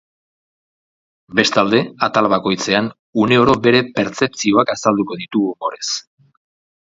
Bestalde, atal bakoitzean, uneoro bere pertzepzioak azalduko ditu umorez.